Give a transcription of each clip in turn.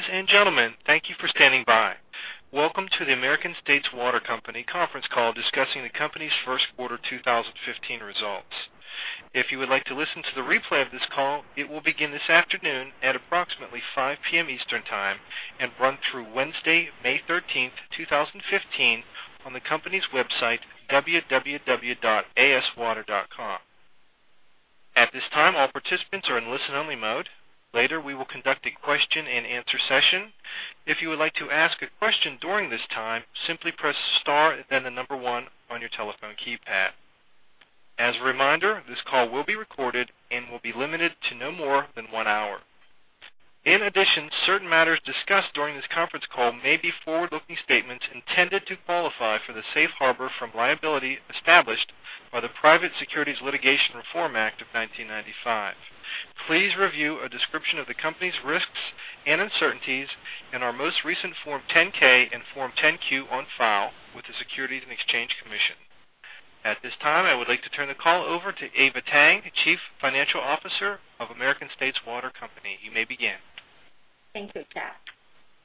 Ladies and gentlemen, thank you for standing by. Welcome to the American States Water Company conference call discussing the company's first quarter 2015 results. If you would like to listen to the replay of this call, it will begin this afternoon at approximately 5:00 P.M. Eastern Time and run through Wednesday, May 13, 2015, on the company's website, www.aswater.com. At this time, all participants are in listen only mode. Later, we will conduct a question and answer session. If you would like to ask a question during this time, simply press star, then 1 on your telephone keypad. As a reminder, this call will be recorded and will be limited to no more than one hour. In addition, certain matters discussed during this conference call may be forward-looking statements intended to qualify for the safe harbor from liability established by the Private Securities Litigation Reform Act of 1995. Please review a description of the company's risks and uncertainties in our most recent Form 10-K and Form 10-Q on file with the Securities and Exchange Commission. At this time, I would like to turn the call over to Eva Tang, Chief Financial Officer of American States Water Company. You may begin. Thank you, Chad.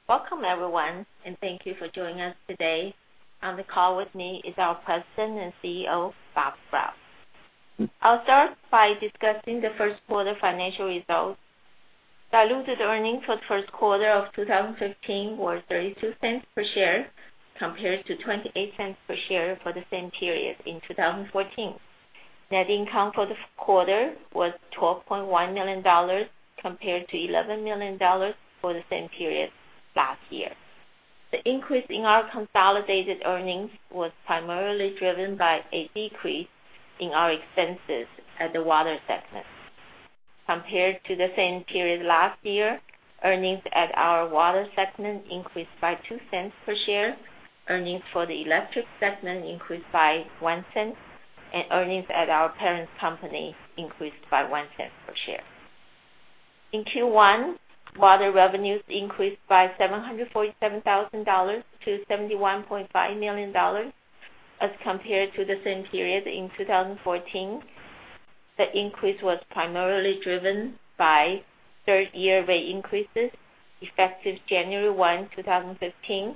Welcome, everyone, and thank you for joining us today. On the call with me is our President and CEO, Bob Sprowls. I'll start by discussing the first quarter financial results. Diluted earnings for the first quarter of 2015 were $0.32 per share, compared to $0.28 per share for the same period in 2014. Net income for the quarter was $12.1 million, compared to $11 million for the same period last year. The increase in our consolidated earnings was primarily driven by a decrease in our expenses at the water segment. Compared to the same period last year, earnings at our water segment increased by $0.02 per share. Earnings for the electric segment increased by $0.01, and earnings at our parent company increased by $0.01 per share. In Q1, water revenues increased by $747,000 to $71.5 million as compared to the same period in 2014. The increase was primarily driven by third-year rate increases effective January 1, 2015,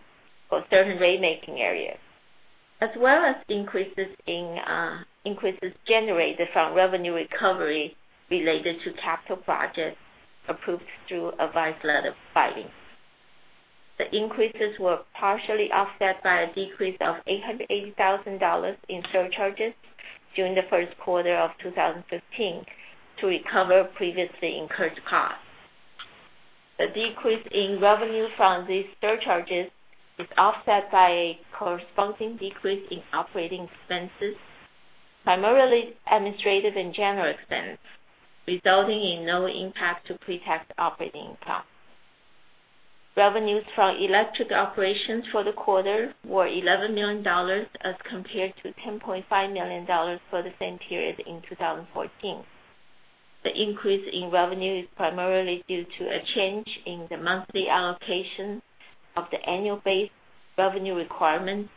for certain rate-making areas, as well as increases generated from revenue recovery related to capital projects approved through advice letter filings. The increases were partially offset by a decrease of $880,000 in surcharges during the first quarter of 2015 to recover previously incurred costs. The decrease in revenue from these surcharges is offset by a corresponding decrease in operating expenses, primarily administrative and general expense, resulting in no impact to pre-tax operating costs. Revenues from electric operations for the quarter were $11 million as compared to $10.5 million for the same period in 2014. The increase in revenue is primarily due to a change in the monthly allocation of the annual base revenue requirement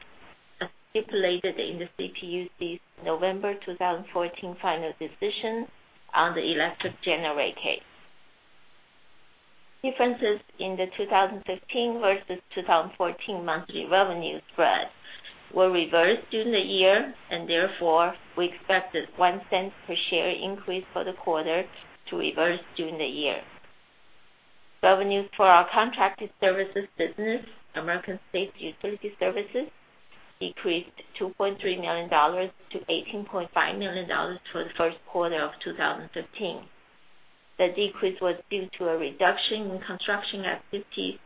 as stipulated in the CPUC's November 2014 final decision on the electric general rate case. Differences in the 2015 versus 2014 monthly revenue spread were reversed during the year, therefore, we expect this $0.01 per share increase for the quarter to reverse during the year. Revenues for our contracted services business, American States Utility Services, decreased $2.3 million to $18.5 million for the first quarter of 2015. The decrease was due to a reduction in construction activity,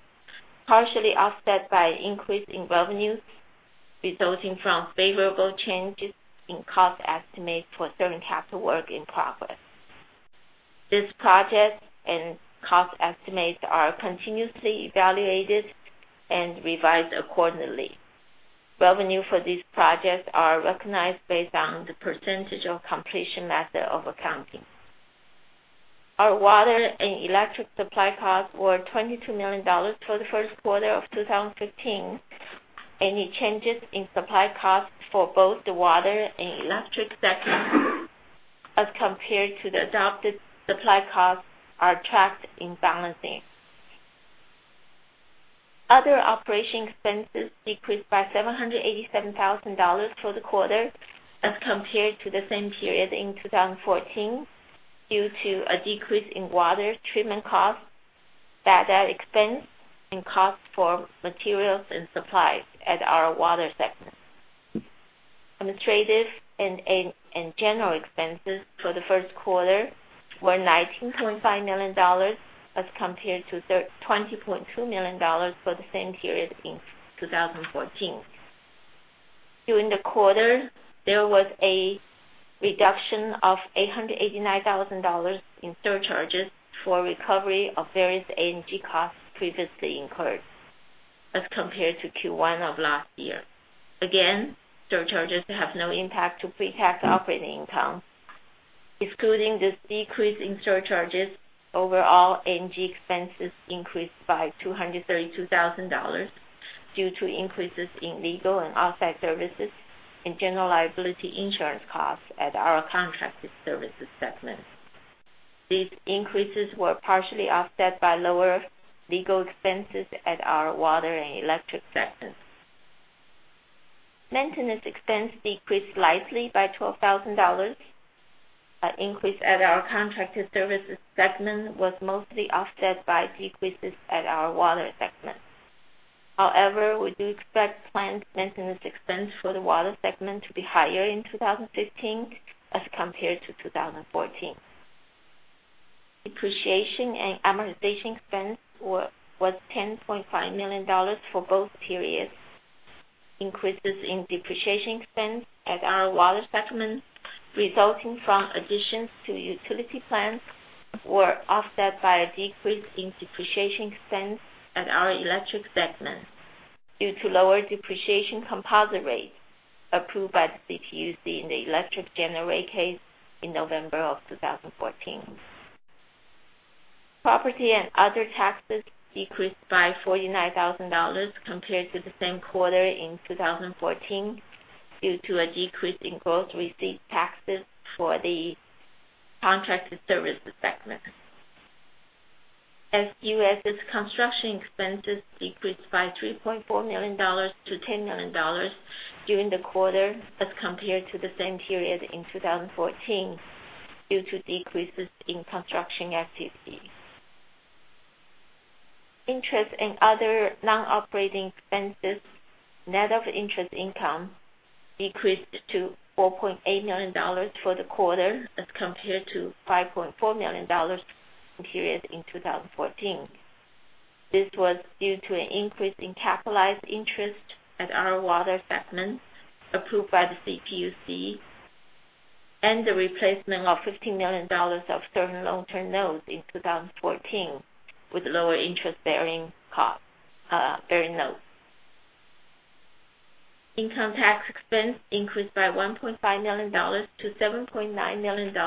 partially offset by an increase in revenues resulting from favorable changes in cost estimates for certain capital work in progress. These projects and cost estimates are continuously evaluated and revised accordingly. Revenue for these projects are recognized based on the percentage of completion method of accounting. Our water and electric supply costs were $22 million for the first quarter of 2015. Any changes in supply costs for both the water and electric segments as compared to the adopted supply costs are tracked in balancing. Other operating expenses decreased by $787,000 for the quarter as compared to the same period in 2014, due to a decrease in water treatment costs, bad debt expense, and cost for materials and supplies at our water segment. Administrative and general expenses for the first quarter were $19.5 million as compared to $20.2 million for the same period in 2014. During the quarter, there was a reduction of $889,000 in surcharges for recovery of various A&G costs previously incurred as compared to Q1 of last year. Surcharges have no impact to pre-tax operating income. Excluding this decrease in surcharges, overall A&G expenses increased by $232,000. Due to increases in legal and outside services and general liability insurance costs at our contracted services segment. These increases were partially offset by lower legal expenses at our water and electric segments. Maintenance expense decreased slightly by $12,000. An increase at our contracted services segment was mostly offset by decreases at our water segment. However, we do expect planned maintenance expense for the water segment to be higher in 2015 as compared to 2014. Depreciation and amortization expense was $10.5 million for both periods. Increases in depreciation expense at our water segment, resulting from additions to utility plants, were offset by a decrease in depreciation expense at our electric segment due to lower depreciation composite rates approved by the CPUC in the electric general rate case in November of 2014. Property and other taxes decreased by $49,000 compared to the same quarter in 2014 due to a decrease in gross receipt taxes for the contracted services segment. SG&A construction expenses decreased by $3.4 million to $10 million during the quarter as compared to the same period in 2014, due to decreases in construction activity. Interest and other non-operating expenses, net of interest income, decreased to $4.8 million for the quarter as compared to $5.4 million in the same period in 2014. This was due to an increase in capitalized interest at our water segment approved by the CPUC and the replacement of $15 million of certain long-term notes in 2014 with lower interest-bearing notes. Income tax expense increased by $1.5 million to $7.9 million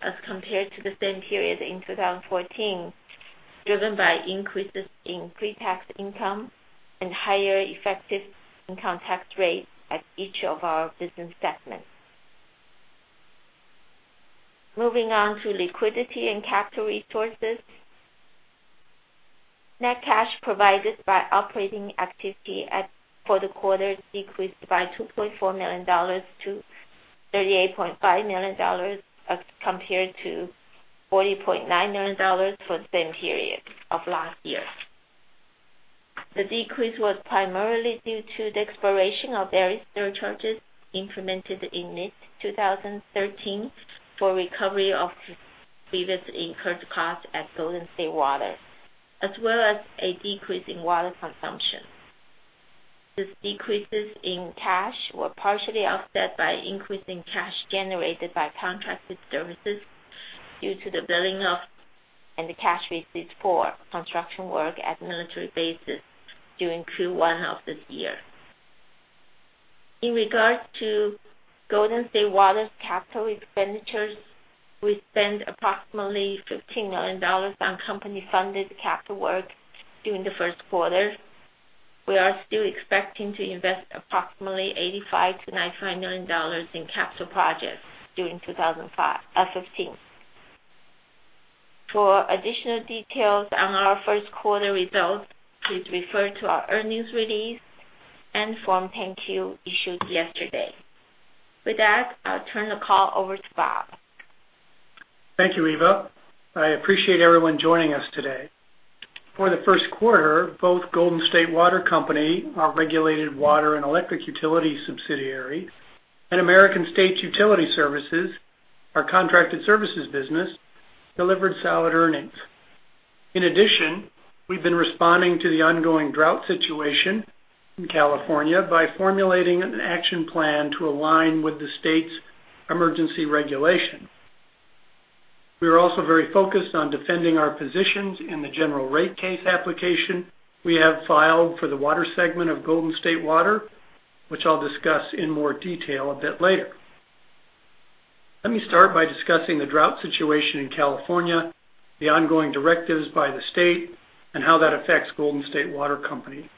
as compared to the same period in 2014, driven by increases in pre-tax income and higher effective income tax rate at each of our business segments. Moving on to liquidity and capital resources. Net cash provided by operating activity for the quarter decreased by $2.4 million to $38.5 million as compared to $40.9 million for the same period of last year. The decrease was primarily due to the expiration of various surcharges implemented in mid-2013 for recovery of previously incurred costs at Golden State Water, as well as a decrease in water consumption. These decreases in cash were partially offset by increase in cash generated by contracted services due to the billing of, and the cash received for, construction work at military bases during Q1 of this year. In regards to Golden State Water's capital expenditures, we spent approximately $15 million on company-funded capital work during the first quarter. We are still expecting to invest approximately $85 million-$95 million in capital projects during 2015. For additional details on our first quarter results, please refer to our earnings release and Form 10-Q issued yesterday. With that, I'll turn the call over to Bob. Thank you, Eva. I appreciate everyone joining us today. For the first quarter, both Golden State Water Company, our regulated water and electric utility subsidiary, and American States Utility Services, our contracted services business, delivered solid earnings. In addition, we've been responding to the ongoing drought situation in California by formulating an action plan to align with the state's emergency regulation. We are also very focused on defending our positions in the general rate case application we have filed for the water segment of Golden State Water, which I'll discuss in more detail a bit later. Let me start by discussing the drought situation in California, the ongoing directives by the state, and how that affects Golden State Water Company.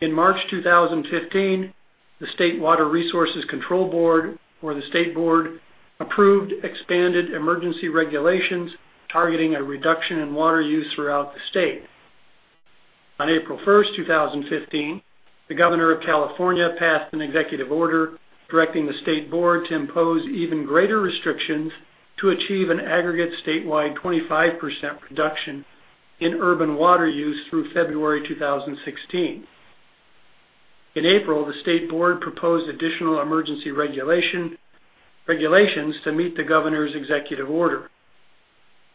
In March 2015, the State Water Resources Control Board, or the State Board, approved expanded emergency regulations targeting a reduction in water use throughout the state. On April 1st, 2015, the Governor of California passed an executive order directing the State Board to impose even greater restrictions to achieve an aggregate statewide 25% reduction in urban water use through February 2016. In April, the State Board proposed additional emergency regulations to meet the Governor's executive order.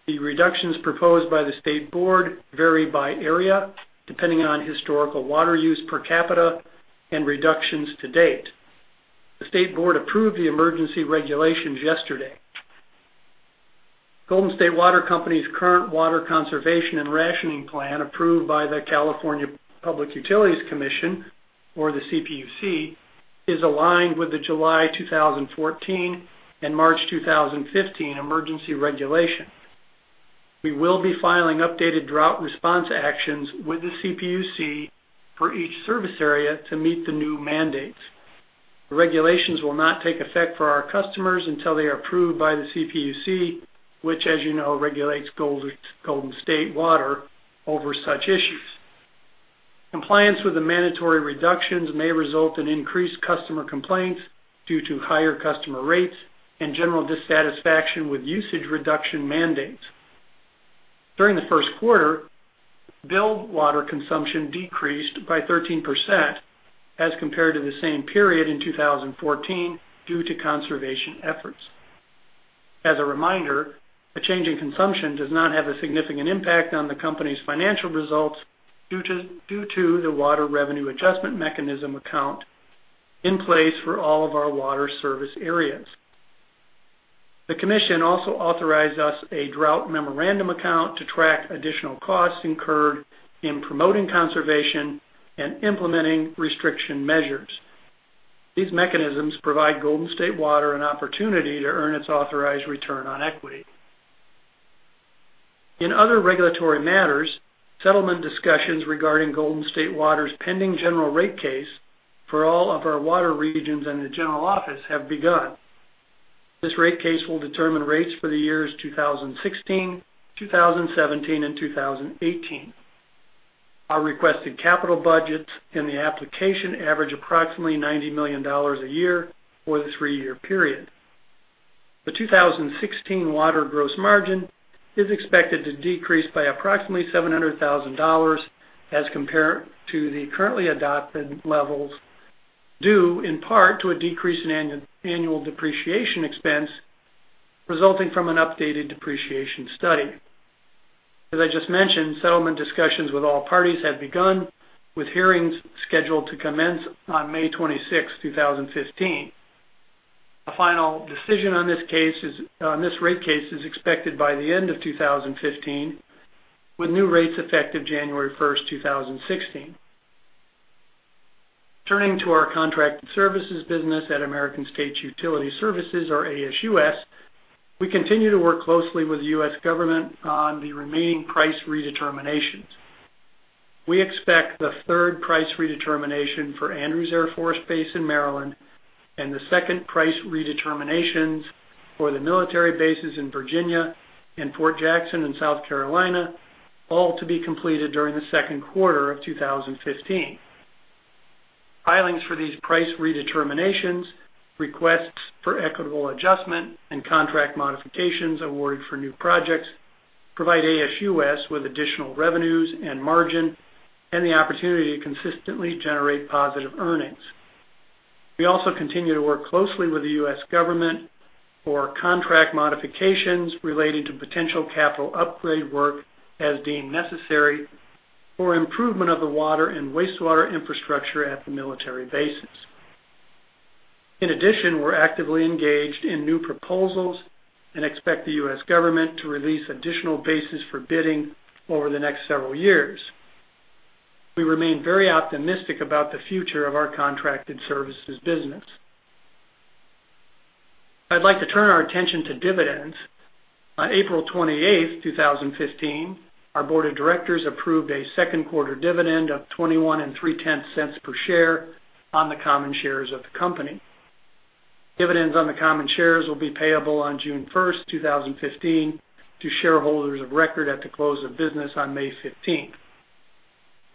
The reductions proposed by the State Board vary by area, depending on historical water use per capita and reductions to date. The State Board approved the emergency regulations yesterday. Golden State Water Company's current water conservation and rationing plan, approved by the California Public Utilities Commission, or the CPUC, is aligned with the July 2014 and March 2015 emergency regulation. We will be filing updated drought response actions with the CPUC for each service area to meet the new mandates. The regulations will not take effect for our customers until they are approved by the CPUC, which as you know, regulates Golden State Water over such issues. Compliance with the mandatory reductions may result in increased customer complaints due to higher customer rates and general dissatisfaction with usage reduction mandates. During the first quarter, billed water consumption decreased by 13% as compared to the same period in 2014, due to conservation efforts. As a reminder, a change in consumption does not have a significant impact on the company's financial results due to the Water Revenue Adjustment Mechanism account in place for all of our water service areas. The commission also authorized us a Drought Memorandum Account to track additional costs incurred in promoting conservation and implementing restriction measures. These mechanisms provide Golden State Water an opportunity to earn its authorized return on equity. In other regulatory matters, settlement discussions regarding Golden State Water's pending general rate case for all of our water regions and the general office have begun. This rate case will determine rates for the years 2016, 2017, and 2018. Our requested capital budgets in the application average approximately $90 million a year for the three-year period. The 2016 water gross margin is expected to decrease by approximately $700,000 as compared to the currently adopted levels, due in part to a decrease in annual depreciation expense resulting from an updated depreciation study. As I just mentioned, settlement discussions with all parties have begun with hearings scheduled to commence on May 26th, 2015. A final decision on this rate case is expected by the end of 2015, with new rates effective January 1st, 2016. Turning to our contracted services business at American States Utility Services, or ASUS, we continue to work closely with the U.S. government on the remaining price redeterminations. We expect the third price redetermination for Andrews Air Force Base in Maryland, and the second price redeterminations for the military bases in Virginia and Fort Jackson in South Carolina, all to be completed during the second quarter of 2015. Filings for these price redeterminations, requests for equitable adjustment and contract modifications awarded for new projects provide ASUS with additional revenues and margin and the opportunity to consistently generate positive earnings. We also continue to work closely with the U.S. government for contract modifications relating to potential capital upgrade work as deemed necessary for improvement of the water and wastewater infrastructure at the military bases. In addition, we're actively engaged in new proposals and expect the U.S. government to release additional bases for bidding over the next several years. We remain very optimistic about the future of our contracted services business. I'd like to turn our attention to dividends. On April 28th, 2015, our board of directors approved a second quarter dividend of $0.213 per share on the common shares of the company. Dividends on the common shares will be payable on June 1st, 2015, to shareholders of record at the close of business on May 15th.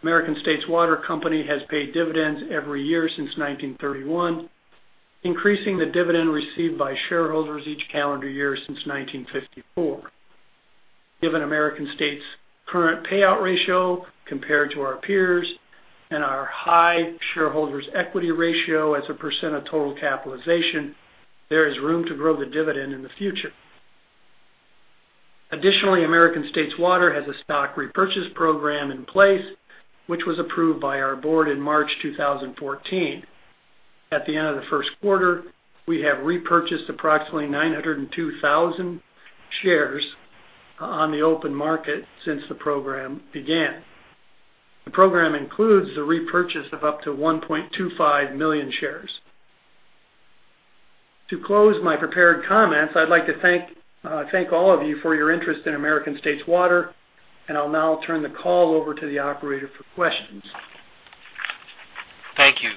American States Water Company has paid dividends every year since 1931, increasing the dividend received by shareholders each calendar year since 1954. Given American States' current payout ratio compared to our peers and our high shareholders' equity ratio as a percent of total capitalization, there is room to grow the dividend in the future. Additionally, American States Water has a stock repurchase program in place, which was approved by our board in March 2014. At the end of the first quarter, we have repurchased approximately 902,000 shares on the open market since the program began. The program includes the repurchase of up to 1.25 million shares. To close my prepared comments, I'd like to thank all of you for your interest in American States Water, and I'll now turn the call over to the operator for questions. Thank you.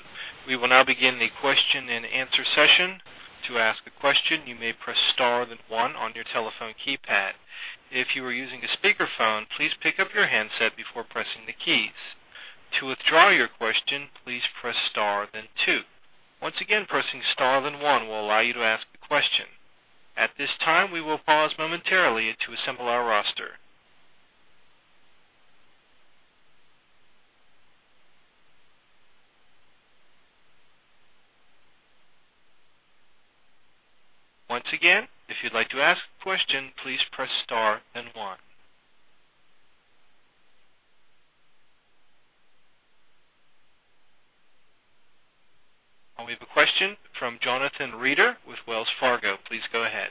We will now begin the question and answer session. To ask a question, you may press star then one on your telephone keypad. If you are using a speakerphone, please pick up your handset before pressing the keys. To withdraw your question, please press star then two. Once again, pressing star then one will allow you to ask a question. At this time, we will pause momentarily to assemble our roster. Once again, if you'd like to ask a question, please press star and one. We have a question from Jonathan Reeder with Wells Fargo. Please go ahead.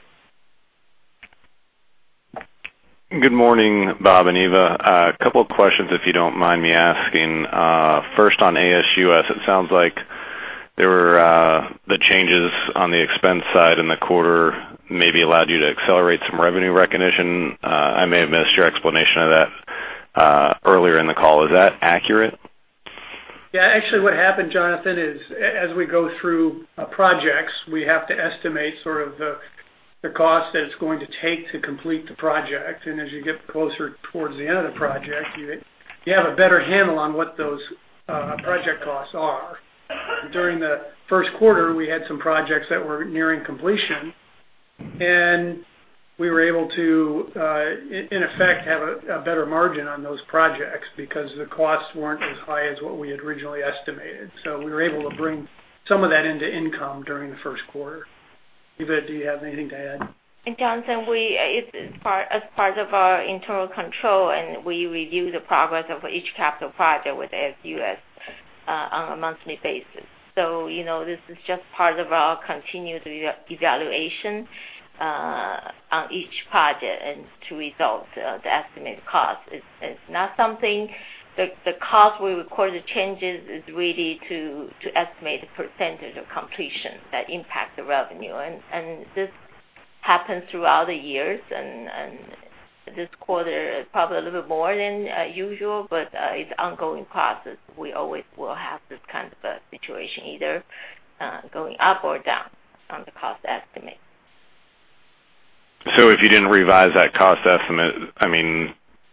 Good morning, Bob and Eva. A couple of questions, if you don't mind me asking. First on ASUS, it sounds like the changes on the expense side in the quarter, maybe allowed you to accelerate some revenue recognition. I may have missed your explanation of that earlier in the call. Is that accurate? Yeah. Actually, what happened, Jonathan, is as we go through projects, we have to estimate sort of the cost that it's going to take to complete the project. As you get closer towards the end of the project, you have a better handle on what those project costs are. During the first quarter, we had some projects that were nearing completion, and we were able to, in effect, have a better margin on those projects because the costs weren't as high as what we had originally estimated. We were able to bring some of that into income during the first quarter. Eva, do you have anything to add? Jonathan, as part of our internal control, we review the progress of each capital project with ASUS on a monthly basis. This is just part of our continued evaluation on each project and to resolve the estimated cost. It's not something the cost we record the changes is really to estimate the percentage of completion that impact the revenue. This happens throughout the years. This quarter is probably a little bit more than usual, but it's an ongoing process. We always will have this kind of a situation, either going up or down on the cost estimate. If you didn't revise that cost estimate,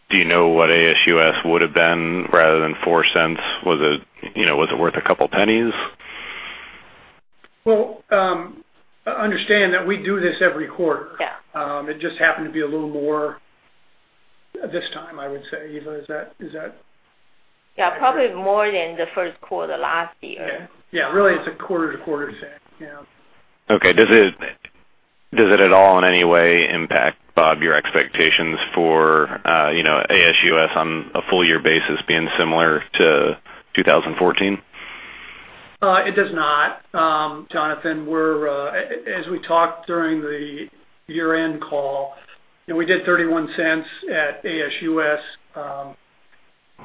do you know what ASUS would have been rather than $0.04? Was it worth $0.02? Well, understand that we do this every quarter. Yeah. It just happened to be a little more this time, I would say. Eva, is that- Yeah, probably more than the first quarter last year. Okay. Yeah. Really, it's a quarter-to-quarter thing. Yeah. Okay. Does it at all in any way impact, Bob, your expectations for ASUS on a full year basis being similar to 2014? It does not. Jonathan, as we talked during the year-end call, we did $0.31 at ASUS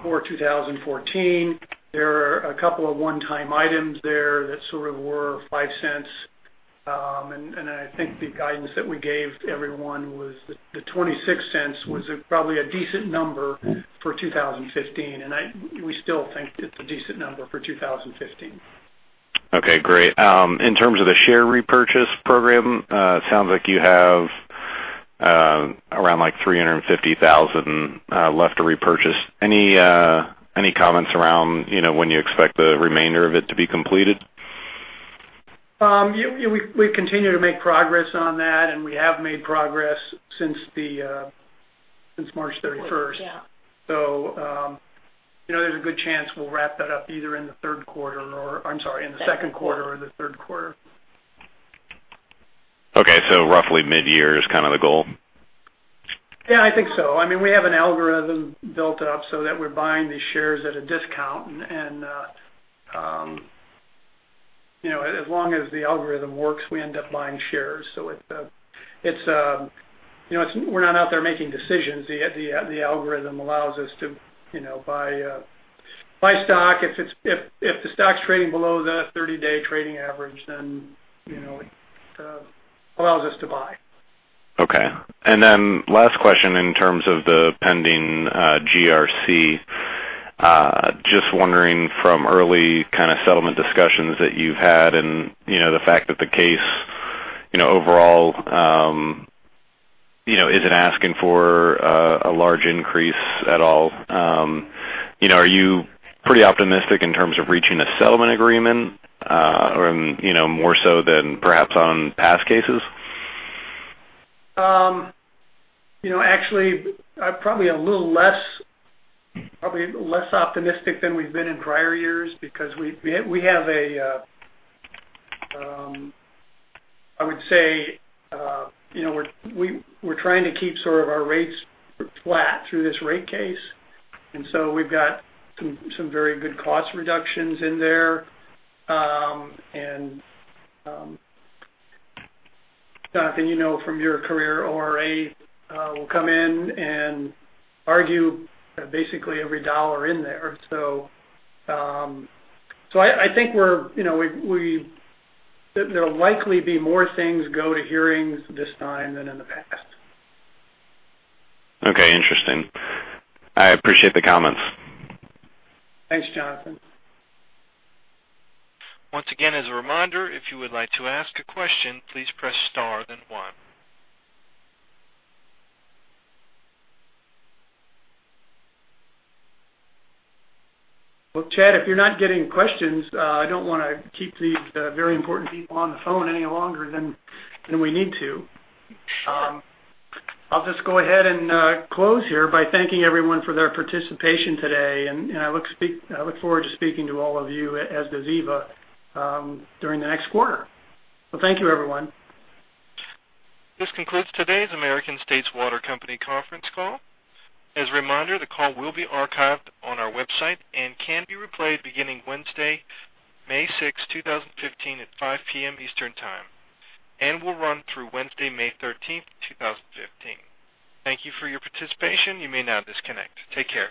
for 2014. There are a couple of one-time items there that sort of were $0.05. I think the guidance that we gave everyone was the $0.26 was probably a decent number for 2015. We still think it's a decent number for 2015. Okay, great. In terms of the share repurchase program, it sounds like you have around 350,000 left to repurchase. Any comments around when you expect the remainder of it to be completed? We continue to make progress on that, and we have made progress since March 31st. Yeah. There's a good chance we'll wrap that up either in the third quarter or, I'm sorry, in the second quarter or the third quarter. Okay. Roughly mid-year is kind of the goal? Yeah, I think so. We have an algorithm built up so that we're buying these shares at a discount. As long as the algorithm works, we end up buying shares. We're not out there making decisions. The algorithm allows us to buy stock. If the stock's trading below the 30-day trading average, then it allows us to buy. Okay. Last question in terms of the pending GRC. Just wondering from early kind of settlement discussions that you've had and the fact that the case, overall, isn't asking for a large increase at all. Are you pretty optimistic in terms of reaching a settlement agreement, more so than perhaps on past cases? Actually, probably a little less optimistic than we've been in prior years because we have, I would say, we're trying to keep sort of our rates flat through this rate case. We've got some very good cost reductions in there. Jonathan, you know from your career, ORA will come in and argue basically every dollar in there. I think there'll likely be more things go to hearings this time than in the past. Okay, interesting. I appreciate the comments. Thanks, Jonathan. Once again, as a reminder, if you would like to ask a question, please press star then one. Chad, if you're not getting questions, I don't want to keep these very important people on the phone any longer than we need to. I'll just go ahead and close here by thanking everyone for their participation today, and I look forward to speaking to all of you, as does Eva, during the next quarter. Thank you, everyone. This concludes today's American States Water Company conference call. As a reminder, the call will be archived on our website and can be replayed beginning Wednesday, May 6, 2015, at 5:00 P.M. Eastern Time and will run through Wednesday, May 13, 2015. Thank you for your participation. You may now disconnect. Take care.